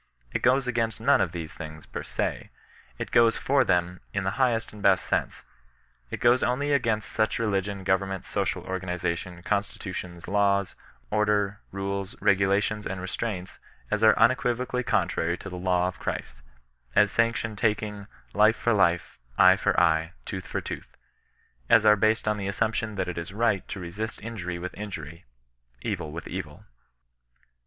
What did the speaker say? It goes against none of these things, per se. It goes for them, in the highest and best sense. It goes only against siich religion, government, social organization, constitutions, laws, order, rules, regulations and restraints, as are un equivocally contrary to the law of Christ ; as sanction taking " life for life, eye for eye, tooth for tooth ;" as are based on the assumption, that it is right to resist injury with injury, evU with evU. eHKEBTiAir Noir BssiBtAiroE.